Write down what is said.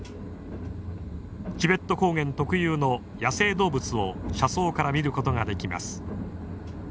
チベット高原特有の野生動物を車窓から見ることができます。